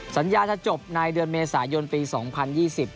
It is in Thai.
สัญญาจะจบในเดือนเมษายนปีสองพันยี่สิบ